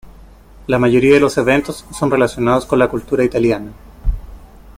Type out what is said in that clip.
La mayoría de los eventos son relacionados con la cultura italiana.